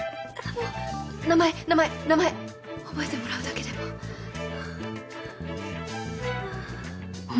もう名前名前名前覚えてもらうだけでもああ